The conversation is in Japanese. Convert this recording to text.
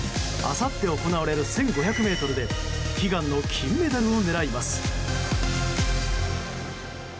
あさって行われる１５００ｍで悲願の金メダルを狙います。